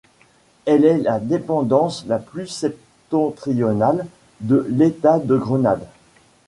Elle est la dépendance la plus septentrionale de l'État de Grenade.